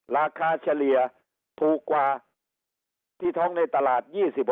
เฉลี่ยถูกกว่าที่ท้องในตลาด๒๐